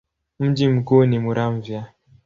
Mji mkuu ni Muramvya.